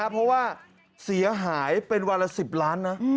เพราะว่าเสียหายเป็นวันละ๑๐ล้านนะ